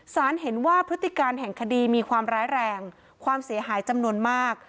สารเห็นว่าพฤติการแห่งคดีมีความร้ายแรงความเสียหายจำนวนมาก